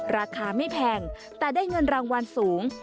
ราคาไม่แพงแต่ได้เงินรางวัลสูง